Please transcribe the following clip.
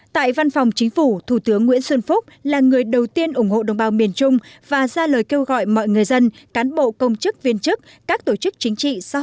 tại văn phòng chính phủ thủ tướng nguyễn xuân phúc là người đầu tiên ủng hộ đồng bào miền trung và ra lời kêu gọi